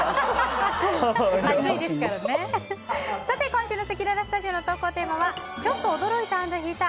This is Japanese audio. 今週のせきららスタジオの投稿テーマはちょっと驚いた＆引いた！